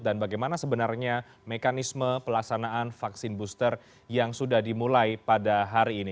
dan bagaimana sebenarnya mekanisme pelaksanaan vaksin booster yang sudah dimulai pada hari ini